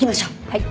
はい。